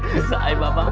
besar ya bapak